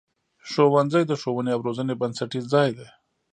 ښوونځی د ښوونې او روزنې بنسټیز ځای دی.